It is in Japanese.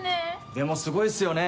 でもすごいっすよね